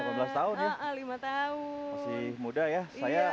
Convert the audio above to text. udah tahun ya lima tahun muda ya saya